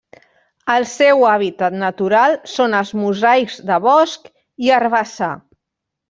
El seu hàbitat natural són els mosaics de bosc i herbassar.